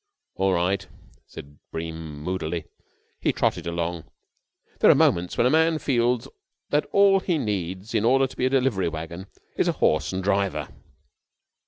"All right," said Bream moodily. He trotted along. There are moments when a man feels that all he needs in order to be a delivery wagon is a horse and a driver.